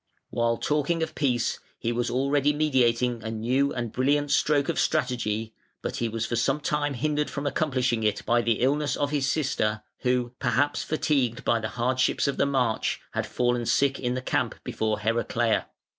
While talking of peace he was already meditating a new and brilliant stroke of strategy, but he was for some time hindered from accomplishing it by the illness of his sister, who, perhaps fatigued by the hardships of the march, had fallen sick in the camp before Heraclea.